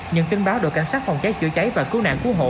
nhận tin báo đội cảnh sát phòng cháy chữa cháy và cứu nạn cứu hộ